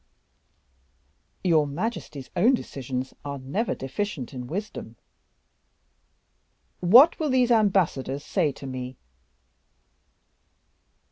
"Your majesty's own decisions are never deficient in wisdom." "What will these ambassadors say to me?"